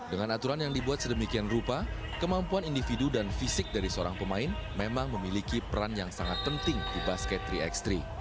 dengan aturan yang dibuat sedemikian rupa kemampuan individu dan fisik dari seorang pemain memang memiliki peran yang sangat penting di basket tiga x tiga